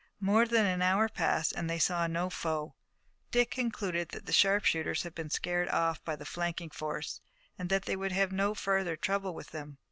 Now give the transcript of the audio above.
More than an hour passed and they saw no foe. Dick concluded that the sharpshooters had been scared off by the flanking force, and that they would have no further trouble with them.